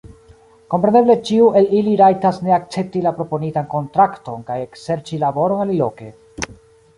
Kompreneble ĉiu el ili rajtas ne akcepti la proponitan kontrakton kaj ekserĉi laboron aliloke.